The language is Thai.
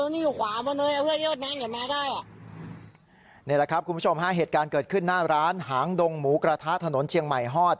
นี่แหละครับคุณผู้ชมฮะเหตุการณ์เกิดขึ้นหน้าร้านหางดงหมูกระทะถนนเชียงใหม่ฮอด